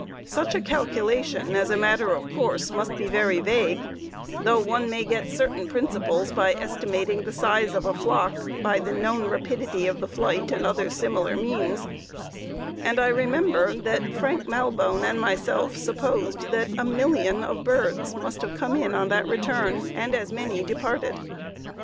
Such a calculation, as a matter of course, must be very vague, though one may get certain principles by estimating the size of a flock by the known rapidity of the flight, and other similar means; and I remember that Frank Malbone and myself supposed that a million of birds must have come in on that return, and as many departed!